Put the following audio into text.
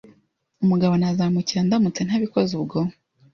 umugabo nazamukira ndamutse ntabikoze ubwo